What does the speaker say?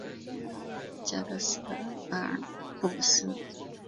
加的斯的巴尔布斯。